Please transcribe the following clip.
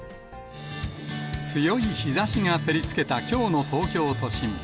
強い日ざしが照りつけたきょうの東京都心。